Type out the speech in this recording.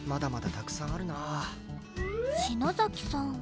篠崎さん。